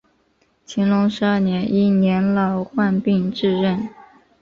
乾隆十二年因年老患病致仕。